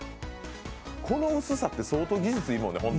この薄さって相当技術要るもんね、ホントは。